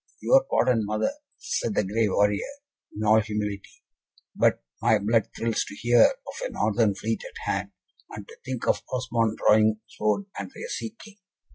"Your pardon, mother," said the grey warrior, in all humility, "but my blood thrills to hear of a Northern fleet at hand, and to think of Osmond drawing sword under a Sea King."